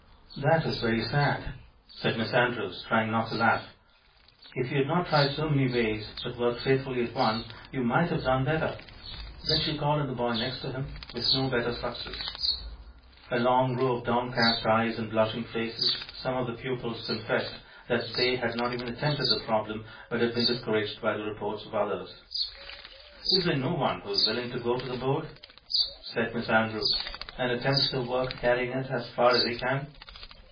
"That is very sad!" said Miss Andrews, trying not to laugh. "If you had not tried so many ways, but worked faithfully at one, you might have done better." Then she called on the boy next to him, with no better success. A long row of downcast eyes and blushing faces. Some of the pupils confessed that they had not even attempted the problem, but had been discouraged by the reports of others. "Is there no one who is willing to go to the board," said Miss Andrews, "and attempt the work, carrying it as far as he can?"